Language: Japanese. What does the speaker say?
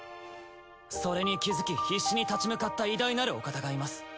それに気づき必死に立ち向かった偉大なるお方がいます。